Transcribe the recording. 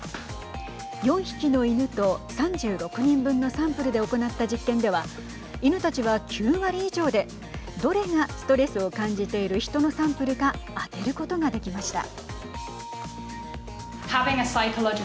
４匹の犬と３６人分のサンプルで行った実験では犬たちは９割以上でどれがストレスを感じている人のサンプルか当てることができました。